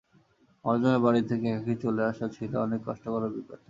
আমার জন্য বাড়ি থেকে একাকী চলে আসা ছিল অনেক কষ্টকর অভিজ্ঞতা।